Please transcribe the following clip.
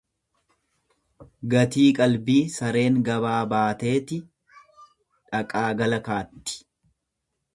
Gatii qalbii sareen gabaa baateeti dhaqaa gala kaatti.